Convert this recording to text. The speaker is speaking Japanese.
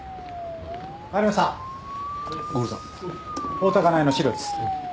大多香苗の資料です。